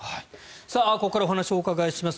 ここからお話をお伺いします。